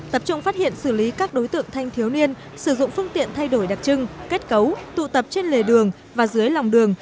tập trung phát hiện xử lý các đối tượng thanh thiếu niên sử dụng phương tiện thay đổi đặc trưng kết cấu tụ tập trên lề đường và dưới lòng đường